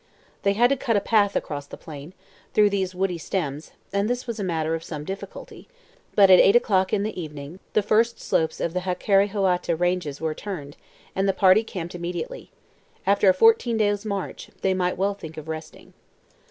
They had to cut a path across the plain, through these woody stems, and this was a matter of some difficulty, but at eight o'clock in the evening the first slopes of the Hakarihoata Ranges were turned, and the party camped immediately. After a fourteen miles' march, they might well think of resting.